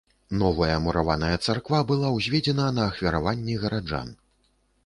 Новая мураваная царква была ўзведзена на ахвяраванні гараджан.